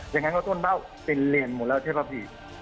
อย่างนั้นก็ต้นเบ้าเป็นเหรียญหมดแล้วเทพภิกษ์